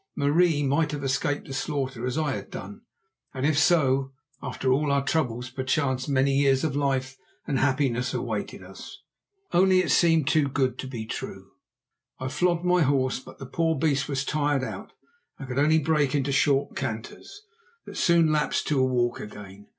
Marie might have escaped the slaughter as I had done, and if so, after all our troubles perchance many years of life and happiness awaited us. Only it seemed too good to be true. I flogged my horse, but the poor beast was tired out and could only break into short canters, that soon lapsed to a walk again.